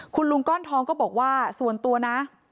คุณลุงก้อนทองก็บอกว่าส่วนตัวนะ